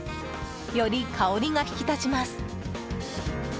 より香りが引き立ちます。